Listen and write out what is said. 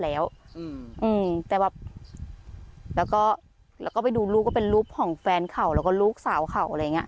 แล้วก็ไปดูลูกเป็นรูปของแฟนเขาแล้วก็ลูกสาวเขา